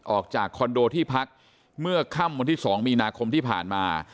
ออกจากคอนโดที่พักเมื่อค่ำวันที่๒มีนาคมที่ผ่านมา